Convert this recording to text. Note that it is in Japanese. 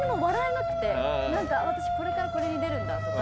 なんか私これからこれに出るんだとか。